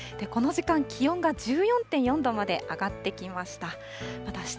この時間、気温が１４．４度まで上がってきました。